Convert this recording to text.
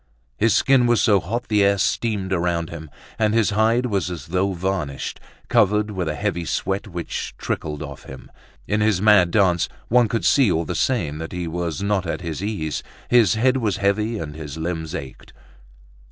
His skin was so hot the air steamed around him; and his hide was as though varnished, covered with a heavy sweat which trickled off him. In his mad dance, one could see all the same that he was not at his ease, his head was heavy and his limbs ached.